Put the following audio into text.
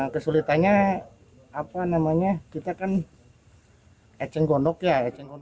kesulitannya apa namanya kita kan eceng gondok ya